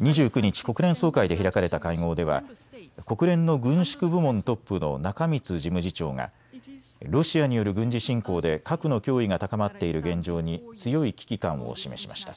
２９日、国連総会で開かれた会合では国連の軍縮部門トップの中満事務次長がロシアによる軍事侵攻で核の脅威が高まっている現状に強い危機感を示しました。